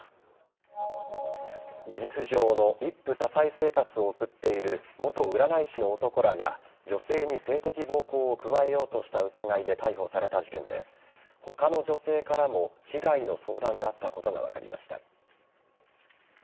事実上の一夫多妻生活を送っている元占い師の男らが女性に性的暴行を加えようとした疑いで逮捕された事件で他の女性からも被害の相談があったことが分かりました。